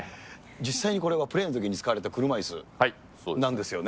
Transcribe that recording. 実際にこれはプレーのときに使われた車いすなんですよね。